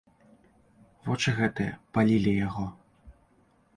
Вочы гэтыя палілі яго.